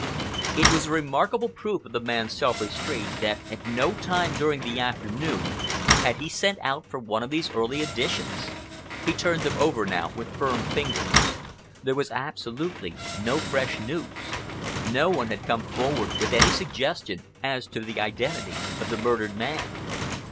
It was a remarkable proof of the man's self restraint that at no time during the afternoon had he sent out for one of these early editions. He turned them over now with firm fingers. There was absolutely no fresh news. No one had come forward with any suggestion as to the identity of the murdered man.